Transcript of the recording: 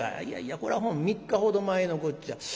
「いやいやこれはもう３日ほど前のこっちゃ。